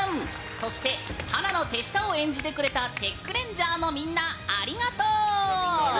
そして、華の手下を演じてくれたテックレンジャーのみんなありがとう！